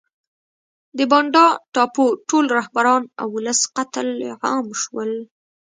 د بانډا ټاپو ټول رهبران او ولس قتل عام شول.